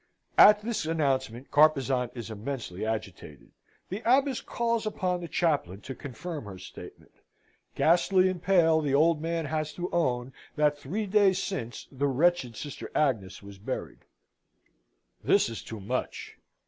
At this announcement Carpezan is immensely agitated. The Abbess calls upon the chaplain to confirm her statement. Ghastly and pale, the old man has to own that three days since the wretched Sister Agnes was buried. This is too much!